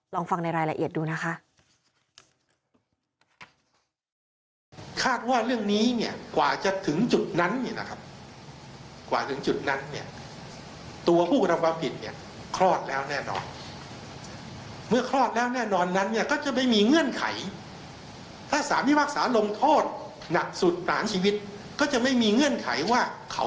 ลองฟังในรายละเอียดดูนะคะ